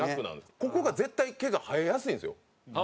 ここが、絶対毛が生えやすいんですよ。